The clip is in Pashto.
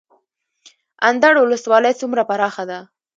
اندړ ولسوالۍ څومره پراخه ده؟